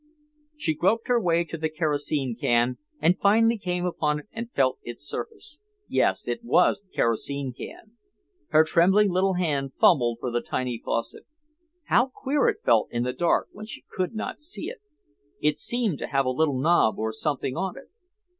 She groped her way to the kerosene can and finally came upon it and felt its surface. Yes, it was the kerosene can. Her trembling little hand fumbled for the tiny faucet. How queer it felt in the dark when she could not see it! It seemed to have a little knob or something on it....